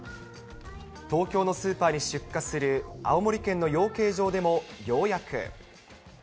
東京のスーパーに出荷する青森県の養鶏場でも、ようやく。